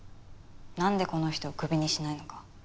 なんでこの人をクビにしないのか。